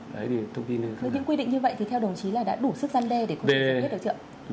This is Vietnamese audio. với những quy định như vậy thì theo đồng chí là đã đủ sức gian đe để không bị xử lý hết đâu chứ ạ